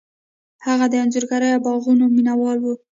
هغه د انځورګرۍ او باغونو مینه وال و.